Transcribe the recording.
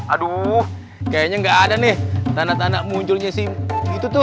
aduh kayaknya nggak ada nih tanah tanda munculnya sih gitu tuh